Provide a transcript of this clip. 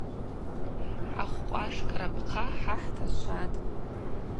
Ахвкъвашкӏ рапхъа хӏа хӏташватӏ.